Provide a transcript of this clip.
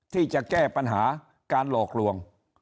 ที่จะแก้ปัญหาการหลอกลวง